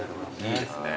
いいですね。